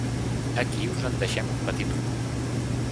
Aquí us en deixem un petit recull.